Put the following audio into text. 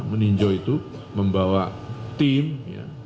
meninjau itu membawa tim ya